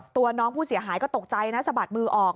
ตัวน้องผู้เสียหายก็ตกใจนะสะบัดมือออก